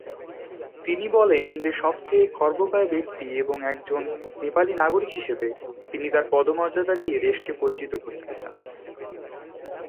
তিনি বলেন যে সবচেয়ে খর্বকায় ব্যক্তি এবং একজন নেপালি নাগরিক হিসেবে, তিনি তার পদমর্যাদা দিয়ে দেশকে পরিচিত করতে চান।